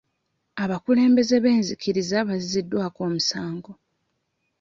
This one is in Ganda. Abakulembeze b'enzikiriza bazziddwako omusango.